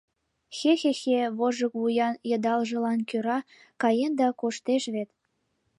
Хе-хе-хе, важык вуян йыдалжылан кӧра каен да коштеш вет...